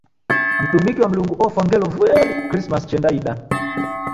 Mdumiki wa Mlungu ofwa ngelo vueri Krismasi chendaida.